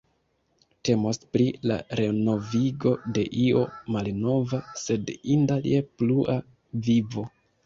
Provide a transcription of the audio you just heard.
Temos pri la renovigo de io malnova, sed inda je plua vivo.